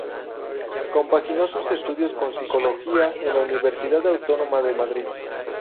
Compaginó sus estudios con Psicología en la Universidad Autónoma de Madrid.